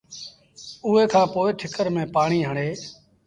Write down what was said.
اُئي کآݩ پوء ٺِڪر ميݩ پآڻيٚ هڻي